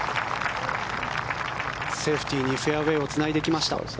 セーフティーにフェアウェーをつないできました。